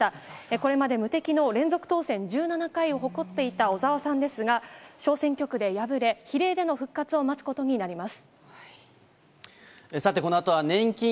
これまで無敵の連続当選１７回を誇っていた小沢さんですが、小選挙区で敗れ、比例での復活を待つことになります。